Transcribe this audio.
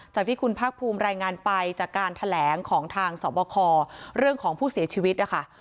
จากที่คุณภาคภูมิรายงานไปจากการแถลงของทางสอบคอเรื่องของผู้เสียชีวิตนะคะ